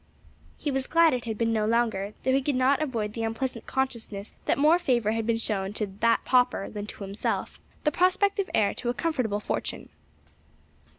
He was glad it had been no longer, though he could not avoid the unpleasant consciousness that more favor had been shown to "that pauper" than to himself, the prospective heir to a comfortable fortune.